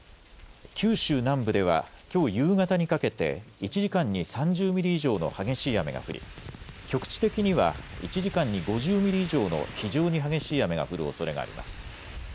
九州南部ではきょう夕方にかけて１時間に３０ミリ以上の激しい雨が降り、局地的には１時間に５０ミリ以上の非常に激しい雨が降るおそれがあります。